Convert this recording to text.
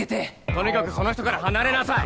とにかくその人から離れなさい。